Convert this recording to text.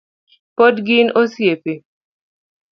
Pod gin osiepe